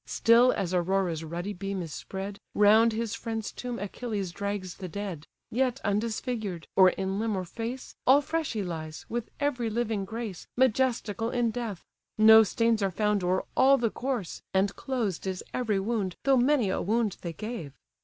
Still as Aurora's ruddy beam is spread, Round his friend's tomb Achilles drags the dead: Yet undisfigured, or in limb or face, All fresh he lies, with every living grace, Majestical in death! No stains are found O'er all the corse, and closed is every wound, Though many a wound they gave.